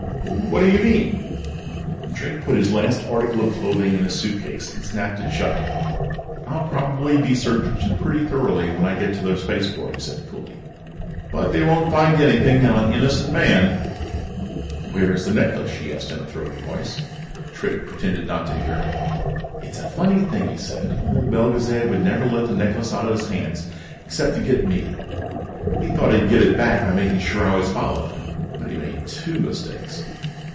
"Wha what do you mean?" Drake put his last article of clothing in his suitcase and snapped it shut. "I'll probably be searched pretty thoroughly when I get to the spaceport," he said coolly, "but they won't find anything on an innocent man." "Where is the necklace?" she asked in a throaty voice. Drake pretended not to hear her. "It's a funny thing," he said. "Old Belgezad would never let the necklace out of his hands except to get me. He thought he'd get it back by making sure I was followed. But he made two mistakes."